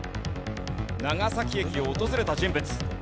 長崎駅を訪れた人物。